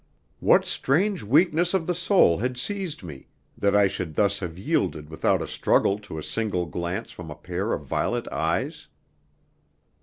What strange weakness of the soul had seized me that I should thus have yielded without a struggle to a single glance from a pair of violet eyes?